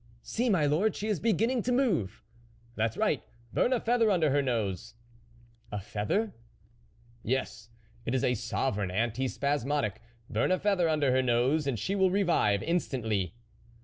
" See, my lord, she is beginning to move." " That's right ! burn a feather under her nose." " A feather ?"" Yes, it is a sovereign anti spasmodic ; burn a feather under her nose, and she will revive instantly."